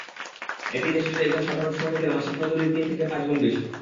এটি দেশটির একজন সাধারণ শ্রমিকের মাসিক মজুরির তিন থেকে পাঁচ গুণ বেশি।